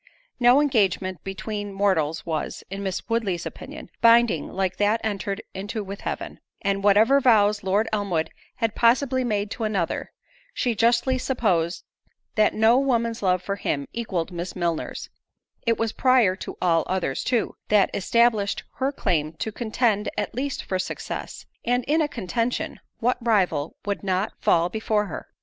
No engagement between mortals was, in Miss Woodley's opinion, binding like that entered into with heaven; and whatever vows Lord Elmwood had possibly made to another, she justly supposed that no woman's love for him equalled Miss Milner's—it was prior to all others too; that established her claim to contend at least for success; and in a contention, what rival would not fall before her?